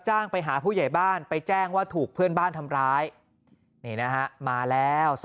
ไปหาผู้ใหญ่บ้านไปแจ้งว่าถูกเพื่อนบ้านทำร้ายนี่นะฮะมาแล้ว